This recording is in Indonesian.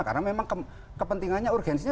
karena memang kepentingannya urgensinya